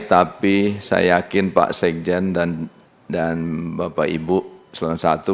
tapi saya yakin pak sekjen dan bapak ibu selon satu